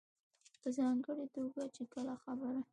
په ځانګړې توګه چې کله خبره